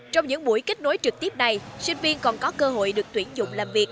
trong những buổi kết nối trực tiếp này sinh viên còn có cơ hội được tuyển dụng làm việc